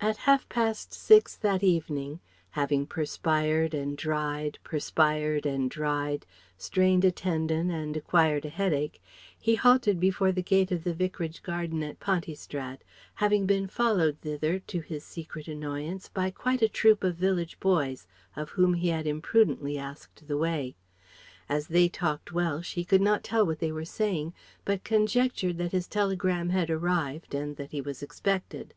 At half past six that evening, having perspired and dried, perspired and dried, strained a tendon and acquired a headache, he halted before the gate of the Vicarage garden at Pontystrad, having been followed thither to his secret annoyance by quite a troop of village boys of whom he had imprudently asked the way. As they talked Welsh he could not tell what they were saying, but conjectured that his telegram had arrived and that he was expected.